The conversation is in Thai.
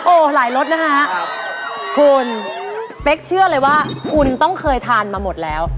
โอ้โหหลายรสนะฮะคุณเป๊กเชื่อเลยว่าคุณต้องเคยทานมาหมดแล้ว